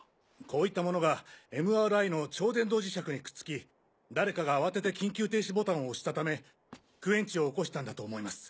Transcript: こういったものがＭＲＩの超電導磁石にくっつき誰かが慌てて緊急停止ボタンを押したためクエンチを起こしたんだと思います。